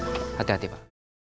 wohnungnya di mereka columbans